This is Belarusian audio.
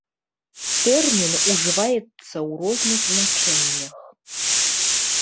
Тэрмін ужываецца ў розных значэннях.